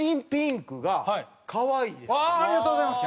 ありがとうございます！